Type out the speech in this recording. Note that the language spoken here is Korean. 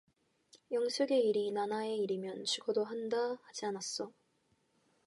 영숙의 일이 나나의 일이면 죽어도 한다 하지 않았소.